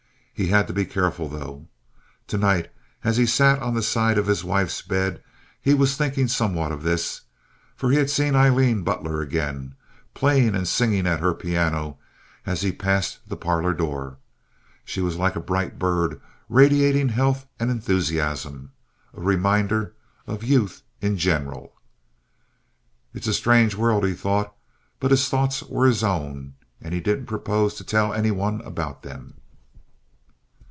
He had to be careful, though. Tonight, as he sat on the side of his wife's bed, he was thinking somewhat of this, for he had seen Aileen Butler again, playing and singing at her piano as he passed the parlor door. She was like a bright bird radiating health and enthusiasm—a reminder of youth in general. "It's a strange world," he thought; but his thoughts were his own, and he didn't propose to tell any one about them.